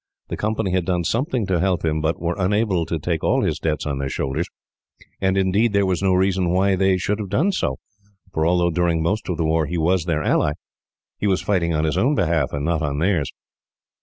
The Company had done something to help him, but were unable to take all his debts on their shoulders; and indeed, there was no reason why they should have done so, for although during most of the war he was their ally, he was fighting on his own behalf, and not on theirs.